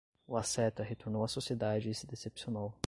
O asceta retornou à sociedade e se decepcionou